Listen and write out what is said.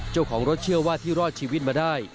เจ้าของรถเชื่อว่าที่รอดชีวิตมาได้